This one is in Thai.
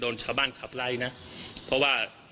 ดนชาวบ้านคลับไล่นะ